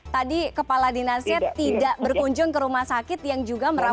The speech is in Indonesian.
tadi kepala dinasnya tidak berkunjung ke rumah sakit yang juga merawat